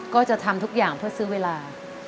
ก็จะทำทุกอย่างเพื่อซื้อเวลา